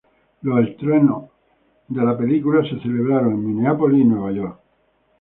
Los estrenos de la película se celebraron en Minneapolis y Nueva York.